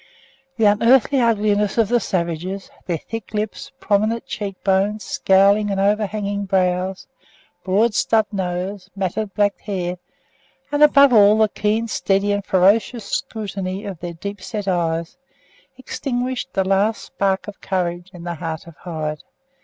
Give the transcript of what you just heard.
The unearthly ugliness of the savages, their thick lips, prominent cheek bones, scowling and overhanging brows, broad snub noses, matted black hair, and above all the keen, steady, and ferocious scrutiny of their deep set eyes, extinguished the last spark of courage in the heart of Hyde.